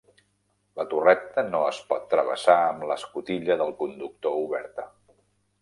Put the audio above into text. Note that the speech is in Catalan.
La torreta no es pot travessar amb l'escotilla del conductor oberta.